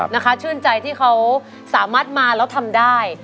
นะคะชื่นใจที่เขาสามารถมาแล้วทำได้